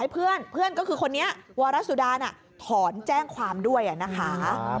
เพื่อนก็คือคนนี้วรสุดาถอนแจ้งความด้วยนะคะ